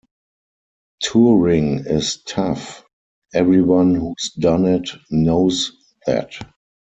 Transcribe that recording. Touring is tough; everyone who's done it knows that.